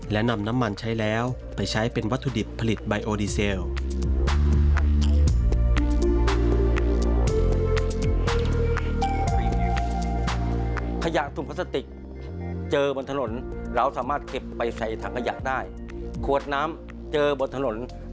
และนำน้ำมันใช้แล้วไปใช้เป็นวัตถุดิบผลิตไบโอดีเซล